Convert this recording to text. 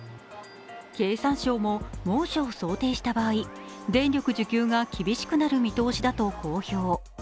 経産省も猛暑を想定した場合、電力需給が厳しくなる見通しだと公表。